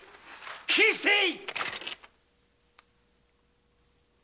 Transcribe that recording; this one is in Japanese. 斬り捨てい！